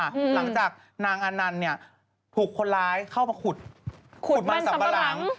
หลังจากนางอนันต์เนี่ยถูกคนร้ายเข้ามาขุดขุดมันสัมปะหลัง